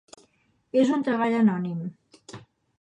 És un treball anònim.